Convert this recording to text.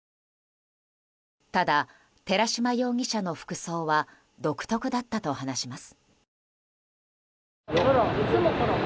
ただ、寺島容疑者の服装は独特だったと話します。